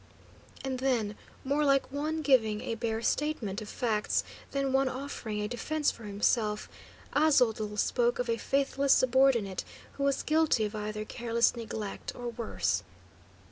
And then, more like one giving a bare statement of facts than one offering a defence for himself, Aztotl spoke of a faithless subordinate, who was guilty of either careless neglect, or worse.